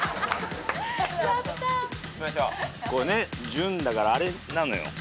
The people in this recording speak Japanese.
「潤」だからあれなのよ。